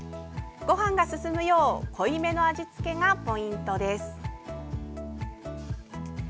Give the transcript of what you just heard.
ごはんが進むよう濃いめの味付けがポイントです。